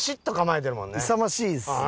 勇ましいですね。